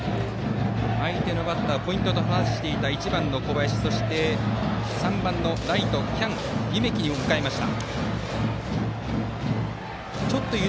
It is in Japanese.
相手のバッターポイントだと話していた１番の小林を打ち取りそして３番ライトの喜屋武夢咲を迎えました。